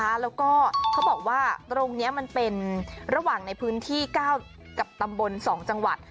แล้วก็เขาบอกว่าตรงนี้มันเป็นระหว่างในพื้นที่๙กับตำบล๒จังหวัด